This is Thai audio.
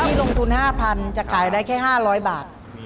ที่ลงทุน๕๐๐๐จะขายได้แค่๕๐๐บาท